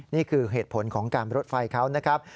นี่คือเหตุผลของการรถไฟเขานะครับ